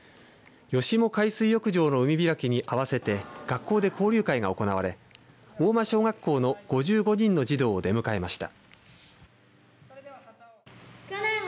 吉母海水浴場の海開きに合わせて学校で交流会が行われ大間小学校の５５人の児童を出迎えました。